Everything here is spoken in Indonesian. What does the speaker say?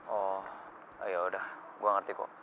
oh ya yaudah gue ngerti ko